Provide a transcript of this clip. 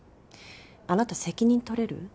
あなた責任取れる？